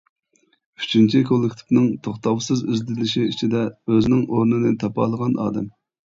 ئۈچىنچى: كوللېكتىپنىڭ توختاۋسىز ئىزدىنىشى ئىچىدە ئۆزىنىڭ ئورنىنى تاپالىغان ئادەم.